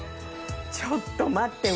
ちょっと待って。